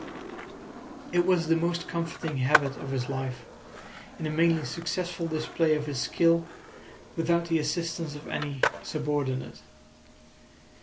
It was the most comforting habit of his life, in a mainly successful display of his skill without the assistance of any subordinate.